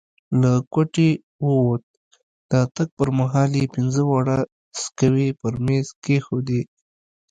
له کوټې ووت، د تګ پر مهال یې پینځه واړه سکوې پر میز کښېښودې.